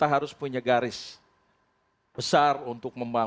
ada beberapa garis besar untuk